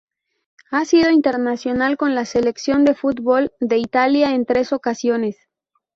Ha sido internacional con la selección de fútbol de Italia en tres ocasiones.